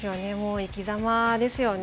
生きざまですよね。